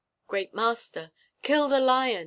(Great master!) Kill the lion!